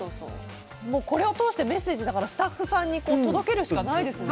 これを通してメッセージをスタッフさんに届けるしかないですね。